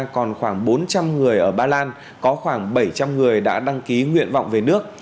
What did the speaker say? còn khoảng bốn trăm linh người ở ba lan có khoảng bảy trăm linh người đã đăng ký nguyện vọng về nước